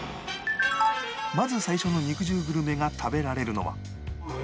まず最初の肉汁グルメが食べられるのは